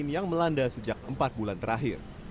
yang melanda sejak empat bulan terakhir